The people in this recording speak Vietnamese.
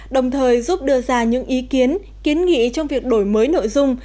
đồng thời giúp đưa ra những ý kiến kiến nghị trong việc đổi mới nội dung